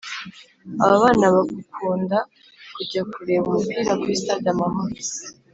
Ababana bakukunda kujya kureba umupira kuri stade amahoro